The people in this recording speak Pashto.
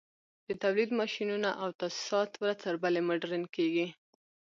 د تولید ماشینونه او تاسیسات ورځ تر بلې مډرن کېږي